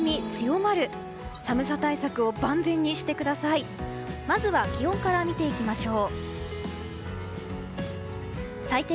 まずは気温から見ていきましょう。